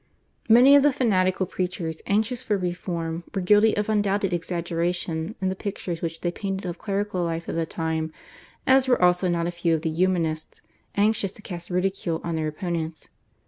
Many of the fanatical preachers anxious for reform were guilty of undoubted exaggeration in the pictures which they painted of clerical life at the time, as were also not a few of the Humanists, anxious to cast ridicule on their opponents.